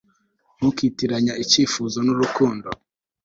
ntukitiranya icyifuzo nurukundo